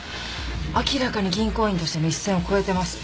明らかに銀行員としての一線を越えてます。